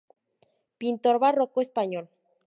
Pintor barroco español.